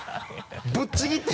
ぶっちぎって。